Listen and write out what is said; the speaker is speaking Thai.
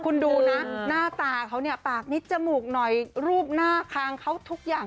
คุณดูนะหน้าตาเขาเนี่ยปากนิดจมูกหน่อยรูปหน้าคางเขาทุกอย่าง